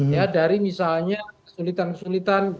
ya dari misalnya kesulitan kesulitan